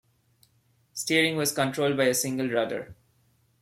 Steering was controlled by a single rudder.